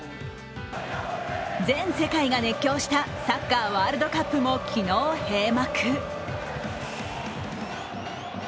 全世界が熱狂したサッカーワールドカップも昨日閉幕。